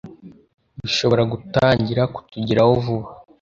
bishobora gutangira kutugeraho vuba